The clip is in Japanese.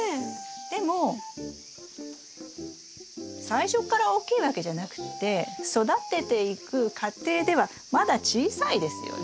でも最初から大きいわけじゃなくて育てていく過程ではまだ小さいですよね。